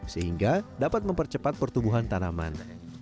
sehingga dapat mempercepat pertumbuhan tanaman